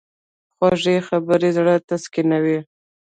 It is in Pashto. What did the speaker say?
خوږې خبرې زړه تسکینوي.